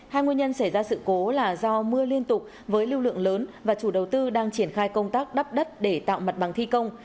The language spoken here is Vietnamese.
hai nguyên nhân xảy ra sự cố là do mưa liên tục với lưu lượng lớn và chủ đầu tư đang triển khai công tác đắp đất để tạo mặt bằng thi công